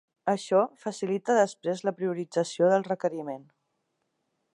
Això facilita després la priorització del requeriment.